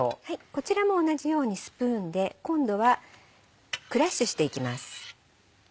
こちらも同じようにスプーンで今度はクラッシュしていきます。